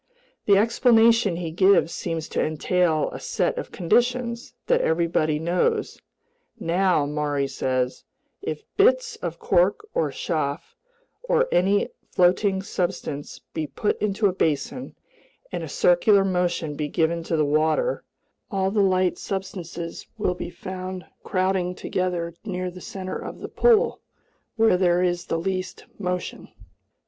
The explanation he gives seems to entail a set of conditions that everybody knows: "Now," Maury says, "if bits of cork or chaff, or any floating substance, be put into a basin, and a circular motion be given to the water, all the light substances will be found crowding together near the center of the pool, where there is the least motion.